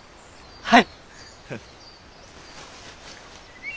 はい。